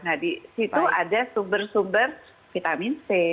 nah di situ ada sumber sumber vitamin c